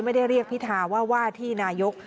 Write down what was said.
ไม่ได้เรียกพิทธาว่าว่าที่นายก